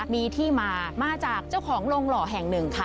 มีที่มามาจากเจ้าของโรงหล่อแห่งหนึ่งค่ะ